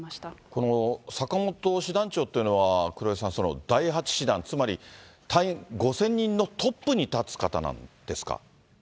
この坂本師団長というのは、黒井さん、第８師団、つまり隊員５０００人のトップに立つ方なんですか。